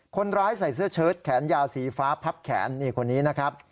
คนร้ายใส่เสื้อเชิดแขนยาวสีฟ้าพับแขนนี่คนนี้นะครับ